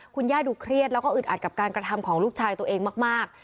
คุณย่าดูเครียดแล้วก็อึดอัดกับการกระทำของลูกชายตัวเองมาก